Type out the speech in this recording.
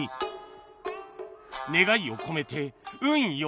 願いを込めて運よ！